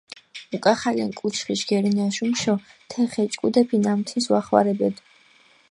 უკახალენ კუჩხიშ გერინაშ უმშო თე ხეჭკუდეფი ნამთინს ვახვარებედჷ.